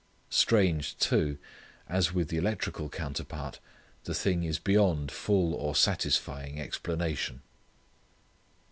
Strange too, as with the electrical counterpart, the thing is beyond full or satisfying explanation.